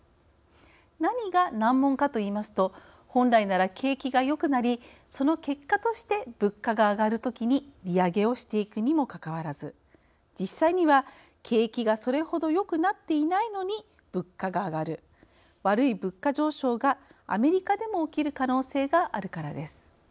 何が難問かといいますと本来なら景気がよくなりその結果として物価が上がるときに利上げをしていくにもかかわらず実際には、景気がそれほどよくなっていないのに物価が上がる悪い物価上昇がアメリカでも起きる可能性があるからです。